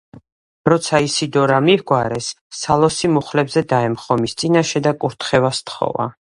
როცა ისიდორა მიჰგვარეს, სალოსი მუხლებზე დაემხო მის წინაშე და კურთხევა სთხოვა.